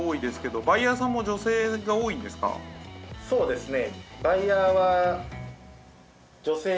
そうですね。